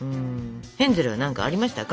ヘンゼルは何かありましたか？